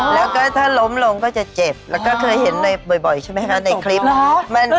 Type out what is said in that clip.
แล้วก็ถ้าล้มลงก็จะเจ็บแล้วก็เคยเห็นบ่อยใช่ไหมคะในคลิปมันไม่ต้องหรอก